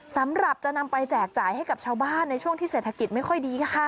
สำหรับจะนำไปแจกจ่ายให้กับชาวบ้านในช่วงที่เศรษฐกิจไม่ค่อยดีค่ะ